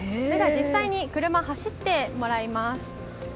実際に車を走ってもらいます。